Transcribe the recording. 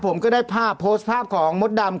ผมก็ได้ภาพโพสต์ภาพของมดดำ